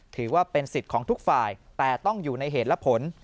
ถือว่าเป็นสิทธิ์ของทุกฝ่ายแต่ต้องอยู่ในเหตุและผล